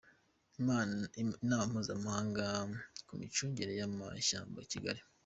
Inama mpuzamahanga ku micungire y’amashyamba i Kigali